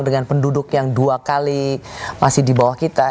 dengan penduduk yang dua kali masih di bawah kita